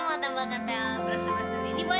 ambil aja kembalinya mas